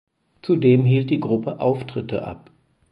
Zudem hielt die Gruppe Auftritte ab.